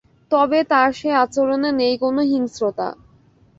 তবে তার সেই আচরণে নেই কোনো হিংস্রতা।